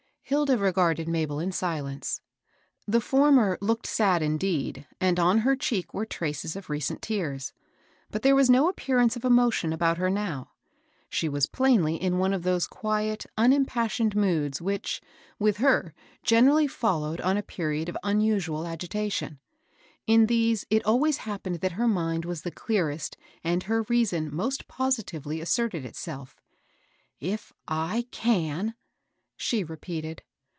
Hilda regarded Mabel in silewcfe. TXsfc l^jsc^sisst 182 MABEL ROSS. looked Bad, indeed, and on her cheek were traces of recent tears ; but there was no appearance of emotion about her now. She was plainly in one of those quiet, unimpassioned moods, which, with her, generally followed on a period of unusual ag itatioii. In these it always happened that her mind was the clearest and her reason most positively as serted itself. " If lean !" she repeated.